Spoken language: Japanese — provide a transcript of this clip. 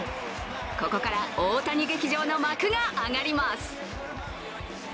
ここから大谷劇場の幕が上がります。